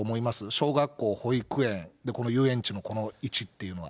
小学校、保育園、この遊園地のこの位置っていうのは。